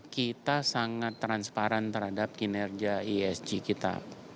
kita sangat transparan terhadap kinerja isg kita